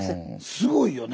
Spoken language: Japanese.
すごいよね！